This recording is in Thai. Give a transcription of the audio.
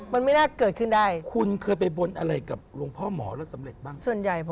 มันไม่น่าเกิดขึ้นได้